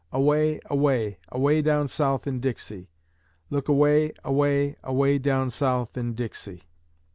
Away, away, Away down South in Dixie. Look away, away, away down South in Dixie.